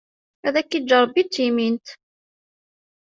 Ad k-iǧǧ Ṛebbi d timint!